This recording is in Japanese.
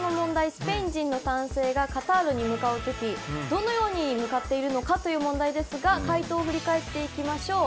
スペイン人の男性がカタールに向かう時どのように向かっているのかという問題ですが解答を振り返っていきましょう。